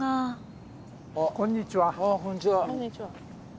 こんにちは。